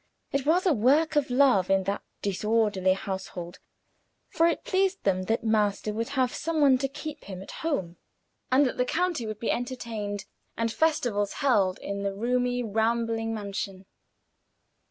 It was a work of love in that disorderly household, for it pleased them that master would have some one to keep him at home, and that the county would be entertained, and festivals held in the roomy, rambling mansion.